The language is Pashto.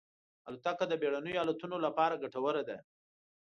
الوتکه د بېړنیو حالتونو لپاره ګټوره ده.